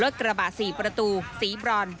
รถกระบะ๔ประตูศรีบรรย์